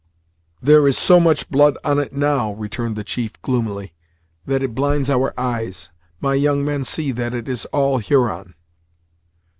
"There is so much blood on it, now," returned the chief, gloomily, "that it blinds our eyes. My young men see that it is all Huron."